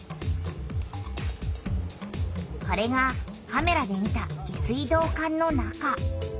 これがカメラで見た下水道管の中。